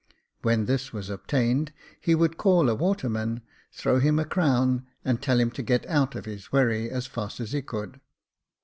When this was obtained, he would call a waterman, throw him a crown, and tell him to get out of his wherry as fast as he could.